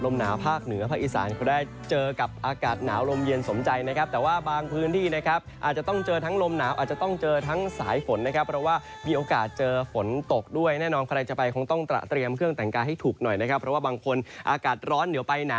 มันที่ผ่านพลไปผ่านไปเมื่อไหงไม่บ้า